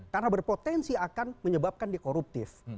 karena berpotensi akan menyebabkan dia koruptif